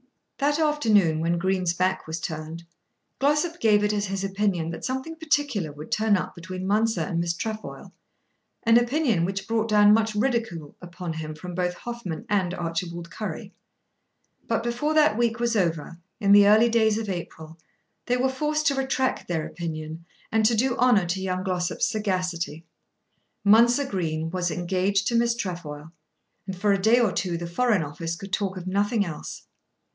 That afternoon, when Green's back was turned, Glossop gave it as his opinion that something particular would turn up between Mounser and Miss Trefoil, an opinion which brought down much ridicule upon him from both Hoffmann and Archibald Currie. But before that week was over, in the early days of April, they were forced to retract their opinion and to do honour to young Glossop's sagacity. Mounser Green was engaged to Miss Trefoil, and for a day or two the Foreign Office could talk of nothing else.